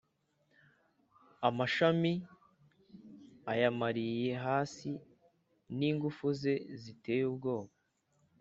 amashami ayamariye hasi n’ingufu ze ziteye ubwoba,